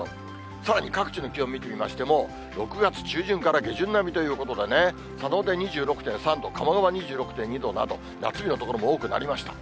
さらに各地の気温を見てみましても、６月下旬から中旬並みということでね、２６．３度、鴨川２６．２度など、夏日の所も多くなりました。